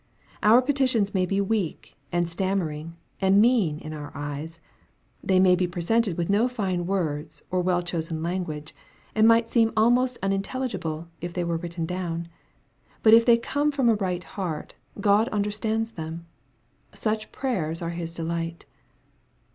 Our petitions may be weak, ad stammering, and mean in our eyes. They may be presented with no fine words, or well chosen language, and might seem almost unintelligible, if they were written down. But if they come from a right heart, God understands them. Such prayers are His delight.